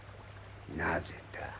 なぜだ？